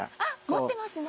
持ってますね。